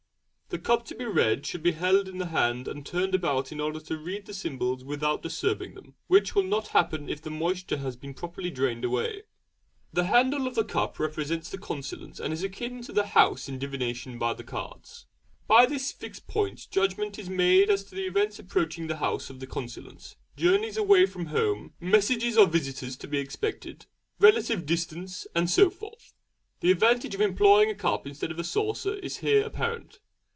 The cup to be read should be held in the hand and turned about in order to read the symbols without disturbing them, which will not happen if the moisture has been properly drained away. The handle of the cup represents the consultant and is akin to the 'house' in divination by the cards. By this fixed point judgment is made as to events approaching the 'house' of the consultant, journeys away from home, messages or visitors to be expected, relative distance, and so forth. The advantage of employing a cup instead of a saucer is here apparent.